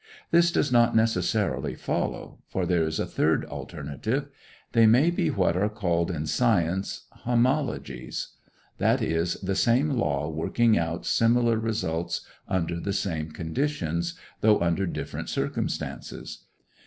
This does not necessarily follow; for there is a third alternative. They may be what are called in science homologies; that is, the same law working out similar results under the same conditions, though under different circumstances.